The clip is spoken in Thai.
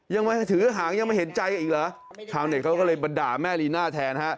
ยังมาถือหางยังไม่เห็นใจอีกเหรอชาวเน็ตเขาก็เลยมาด่าแม่ลีน่าแทนฮะ